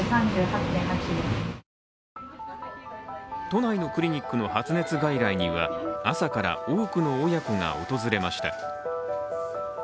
都内のクリニックの発熱外来には朝から多くの親子が訪れました。